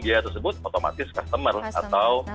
biaya tersebut otomatis customer atau